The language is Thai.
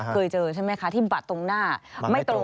เคยเจอใช่ไหมคะที่บัตรตรงหน้า